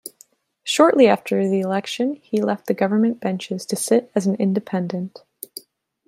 Shortly after the election, he left the government benches to sit as an independent.